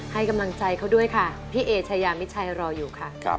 ให้กำลังใจเขาด้วยค่ะพี่เอชายามิชัยรออยู่ค่ะ